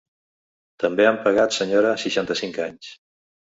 També han pegat senyora seixanta-cinc anys.